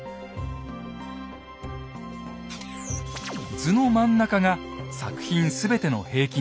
図の真ん中が作品全ての平均値です。